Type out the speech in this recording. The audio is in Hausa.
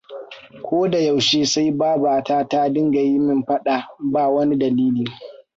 Kodayaushe sai babata ta dinga yi min faɗa ba wani dalili.